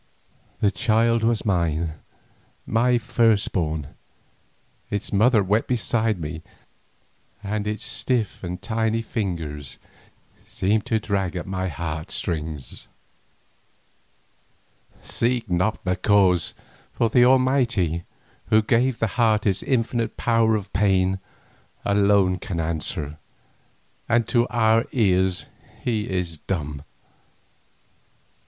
The child was mine, my firstborn, its mother wept beside me, and its stiff and tiny fingers seemed to drag at my heart strings. Seek not the cause, for the Almighty Who gave the heart its infinite power of pain alone can answer, and to our ears He is dumb.